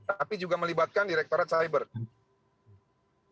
tapi juga melibatkan direktorat sahibet